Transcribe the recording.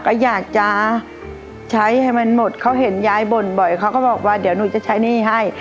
ก็อยากจะใช้ให้มันหมดเขาเห็นยายบ่นบ่อยเขาก็บอกว่าเดี๋ยวหนูจะใช้หนี้ให้